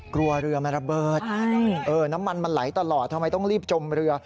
กลัวเรือมันระเบิดน้ำมันมันไหลตลอดทำไมต้องรีบจมเรือ